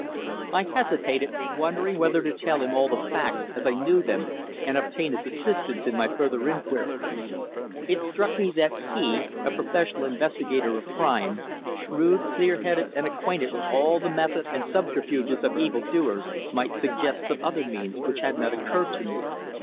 I hesitated, wondering whether to tell him all the facts as I knew them and obtain his assistance in my further inquiries. It struck me that he, a professional investigator of crime, shrewd, clear headed and acquainted with all the methods and subterfuges of evil doers, might suggest some other means which had not occurred to me.